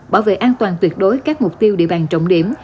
bảo vệ an toàn tuyệt đối các mục tiêu địa bàn trọng điểm